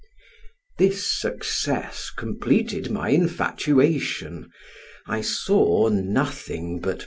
This success completed my infatuation; I saw nothing but M.